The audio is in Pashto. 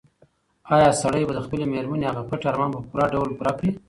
ایا سړی به د خپلې مېرمنې هغه پټ ارمان په پوره ډول پوره کړي؟